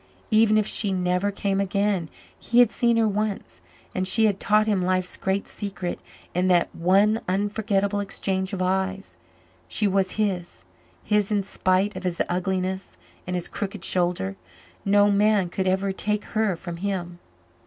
Even if she never came again, he had seen her once, and she had taught him life's great secret in that one unforgettable exchange of eyes. She was his his in spite of his ugliness and his crooked shoulder. No man could ever take her from him.